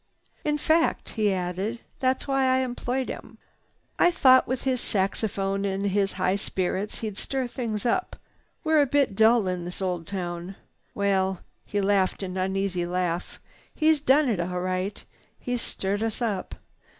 "In fact," he added, "that's why I employed him. I thought, with his saxophone and his high spirits he'd stir things up. We're a bit dull in this old town. Well—" he laughed an uneasy laugh. "He's done it all right. He's stirred us up.